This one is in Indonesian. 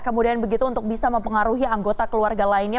kemudian begitu untuk bisa mempengaruhi anggota keluarga lainnya